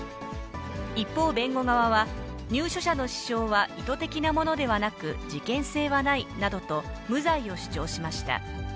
一方、弁護側は入所者の死傷は意図的なものではなく、事件性はないなどと、無罪を主張しました。